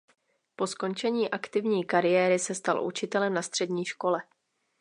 Po skončení aktivní kariéry se stal učitelem na střední škole.